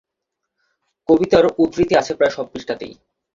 কবিতার উদ্ধৃতি আছে প্রায় সব পৃষ্ঠাতেই।